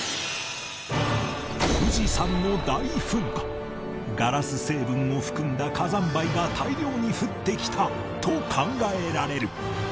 富士山の大噴火ガラス成分を含んだ火山灰が大量に降ってきたと考えられる